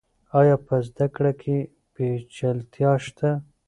آیا په زده کړه کې پیچلتیا شته؟